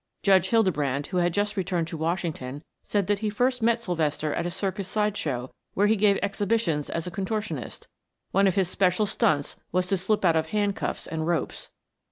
"Judge Hildebrand, who had just returned to Washington, said that he first met Sylvester at a circus sideshow where he gave exhibitions as a contortionist. One of his special stunts was to slip out of handcuffs and ropes."